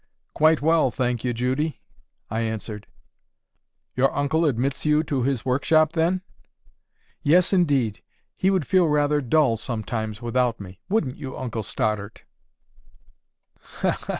"Quite well, thank you, Judy," I answered. "Your uncle admits you to his workshop, then?" "Yes, indeed. He would feel rather dull, sometimes, without me. Wouldn't you, Uncle Stoddart?"